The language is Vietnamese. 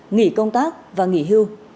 nghỉ công tác và nghỉ hưu